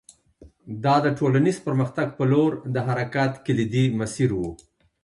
دا د ټولنیز پرمختګ په لور د حرکت کلیدي مسیر و